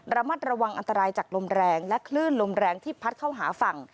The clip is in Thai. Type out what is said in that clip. ระมัดระวังอันตรายจากลมแรงและคลื่นลมแรงที่พัดเข้าหาฝั่ง